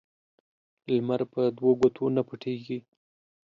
لمر په دوو گوتو نه پټېږي.